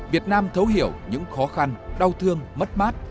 việt nam thấu hiểu những khó khăn đau thương mất mát